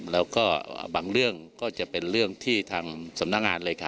แล้วก็บางเรื่องก็จะเป็นเรื่องที่ทางสำนักงานเลขา